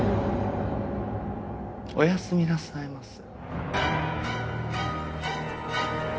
おやすみなさいませ。